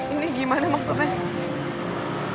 ini gimana maksudnya